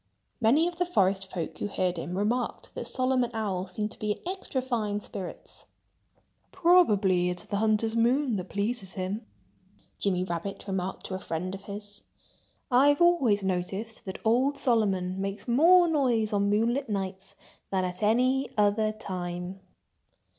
Many of the forest folk who heard him remarked that Solomon Owl seemed to be in extra fine spirits. "Probably it's the hunter's moon that pleases him!" Jimmy Rabbit remarked to a friend of his. "I've always noticed that old Solomon makes more noise on moonlight nights than at any other time."